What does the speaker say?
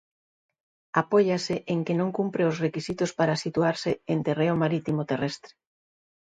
Apóiase en que non cumpre os requisitos para situarse en terreo marítimo terrestre.